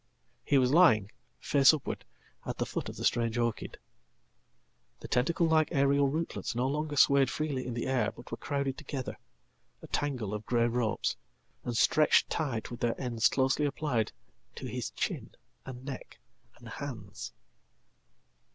He was lying, face upward, at the foot of the strange orchid. Thetentacle like aerial rootlets no longer swayed freely in the air, but werecrowded together, a tangle of grey ropes, and stretched tight, with theirends closely applied to his chin and neck and hands.